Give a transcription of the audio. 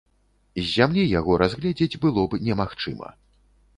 З зямлі яго разгледзець было б немагчыма.